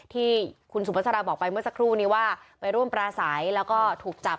ที่คุณสุภาษาบอกไปเมื่อสักครู่นี้ว่าไปร่วมปราศัยแล้วก็ถูกจับ